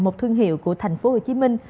một thương hiệu của thành phố thú đức